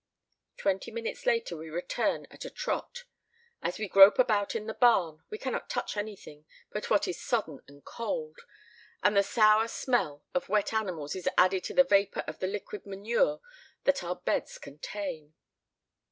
Twenty minutes later we return at a trot. As we grope about in the barn, we cannot touch anything but what is sodden and cold, and the sour smell of wet animals is added to the vapor of the liquid manure that our beds contain.